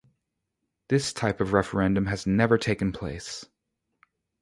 This type of referendum has never taken place.